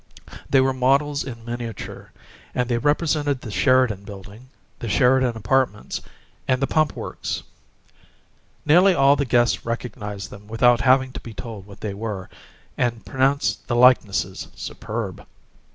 They were models in miniature, and they represented the Sheridan Building, the Sheridan Apartments, and the Pump Works. Nearly all the guests recognized them without having to be told what they were, and pronounced the likenesses superb.